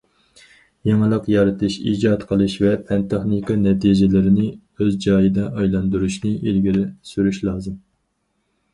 يېڭىلىق يارىتىش، ئىجاد قىلىش ۋە پەن- تېخنىكا نەتىجىلىرىنى ئۆز جايىدا ئايلاندۇرۇشنى ئىلگىرى سۈرۈش لازىم.